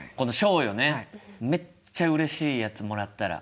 めっちゃうれしいやつもらったら。